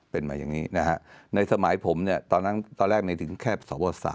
เป็นมาอย่างนี้ในสมัยผมตอนนั้นตอนแรกเรียกถึงแค่ส๓